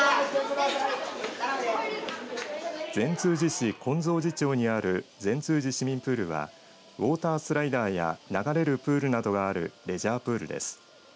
善通寺市金蔵寺町にある善通寺市民プールはウォータースライダーや流れるプールなどがあるレジャープールです。